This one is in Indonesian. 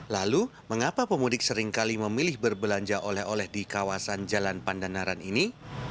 lalu mengapa pemudik seringkali memilih berbelanja oleh oleh di kawasan jalan pandanaran ini